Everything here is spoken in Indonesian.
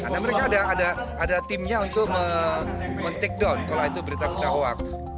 nah mereka ada timnya untuk men take down kalau itu berita berita hoax